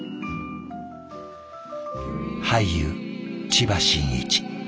俳優千葉真一。